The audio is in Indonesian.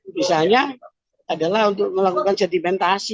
misalnya adalah untuk melakukan sedimentasi